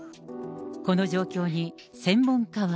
この状況に専門家は。